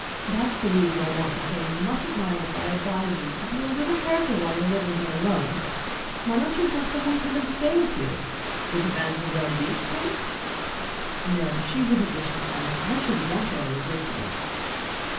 That is the reason I want to say you mustn't mind if I advise you to be a little careful while you are living here alone. Why don't you have some one come and stay with you? Wouldn't Mademoiselle Reisz come?" "No; she wouldn't wish to come, and I shouldn't want her always with me."